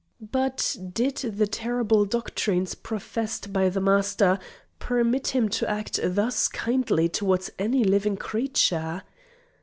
But did the terrible doctrines professed by the Master permit him to act thus kindly towards any living creature?